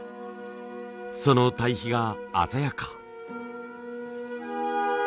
その対比が鮮やか。